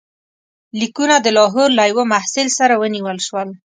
لیکونه د لاهور له یوه محصل سره ونیول شول.